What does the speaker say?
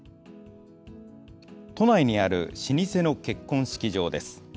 都内にある老舗の結婚式場です。